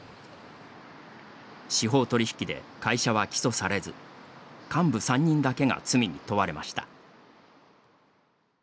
司法取引で会社は起訴されず幹部３人だけが罪に問われました。